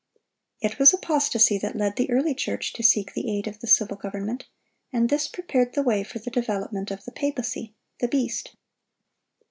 It was apostasy that led the early church to seek the aid of the civil government, and this prepared the way for the development of the papacy,—the beast.